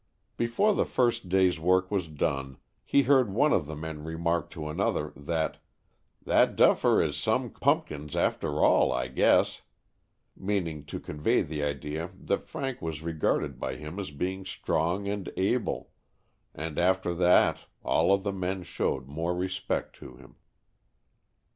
Before the first day's work was done, he heard one of the men remark to an other that "that duffer is some pumpkins after all, I guess,'' meaning to convey the idea that Frank was regarded by him as being strong and able, and after that all of the men showed more respect to him.